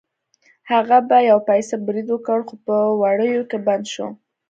هغه په یو پسه برید وکړ خو په وړیو کې بند شو.